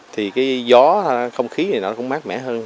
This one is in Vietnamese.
thì cái gió không khí này nó cũng mát mẻ hơn